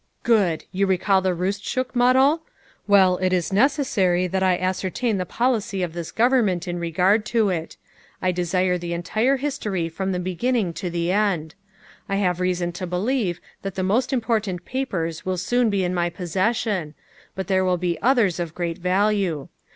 ''" Good! You recall the Rootschook muddle? Well, it is necessary that I ascertain the policy of this Gov ernment in regard to it. I desire the entire history from the beginning to the end. I have reason to believe that the most important papers will soon be in my possession, but there will be others of great value.